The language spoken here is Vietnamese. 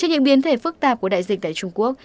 trước những biến thể phức tạp của đại dịch tại trung quốc